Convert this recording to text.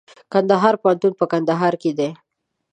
کندهار پوهنتون په کندهار کي دئ.